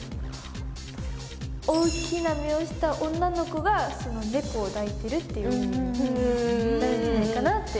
大きな目をした女の子が猫を抱いてるっていう意味になるんじゃないかなって。